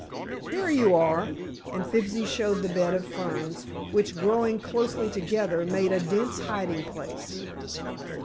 "Here you are," and Fibsy showed the bed of ferns, which, growing closely together, made a dense hiding place.